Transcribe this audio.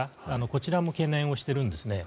こちらも懸念をしているんですね。